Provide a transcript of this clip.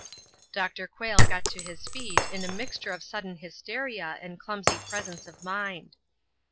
Dr. Quayle got to his feet in a mixture of sudden hysteria and clumsy presence of mind.